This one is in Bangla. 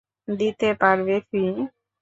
দিতে পারবে ফি?